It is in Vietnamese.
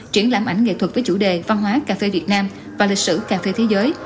triển lãm ảnh nghệ thuật với chủ đề văn hóa cà phê việt nam và lịch sử cà phê thế giới